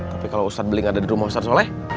tapi kalau ustadz beling ada di rumah ustadz soleh